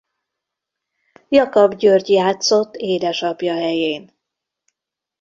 Jakab György játszott édesapja helyén.